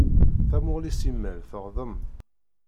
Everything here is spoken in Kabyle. Tamuɣli s imal teɣḍem.